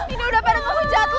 ini udah pada ngehujat lo